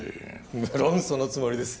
むろんそのつもりです